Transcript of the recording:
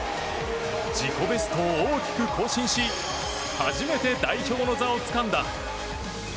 自己ベストを大きく更新し初めて代表の座をつかんだ。